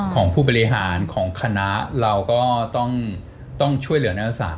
ของผู้บริหารของคณะเราก็ต้องช่วยเหลือนักศึกษา